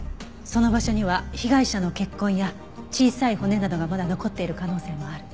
その場所には被害者の血痕や小さい骨などがまだ残っている可能性もある。